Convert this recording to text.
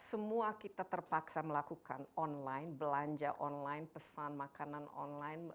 semua kita terpaksa melakukan online belanja online pesan makanan online